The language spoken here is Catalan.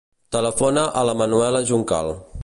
Telefona a la Manuela Juncal.